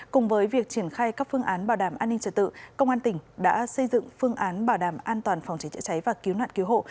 cùng với việc triển khai các phương án bảo đảm an ninh trật tự công an tỉnh đã xây dựng phương án bảo đảm an toàn phòng cháy chữa cháy và cứu nạn cứu hộ